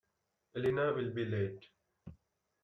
Elena will be late.